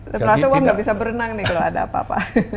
terasa uang tidak bisa berenang nih kalau ada apa apa